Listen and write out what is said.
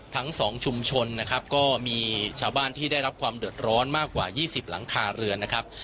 ทั้งสองชุมชนนะครับก็มีชาวบ้านที่ได้รับความเดือดร้อนมากกว่า๒๐หลังคาเรือนนะครับ